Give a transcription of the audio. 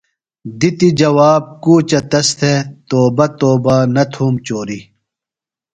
دِتیۡ جواب کوچہ تس تھےۡ، توبہ توبہ نہ تُھوم چوریۡ